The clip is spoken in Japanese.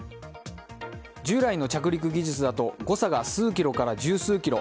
従来の着陸技術だと誤差が数キロから十数キロ。